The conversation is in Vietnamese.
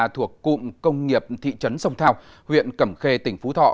thuộc cụm công nghiệp thị trấn sông thao huyện cẩm khê tỉnh phú thọ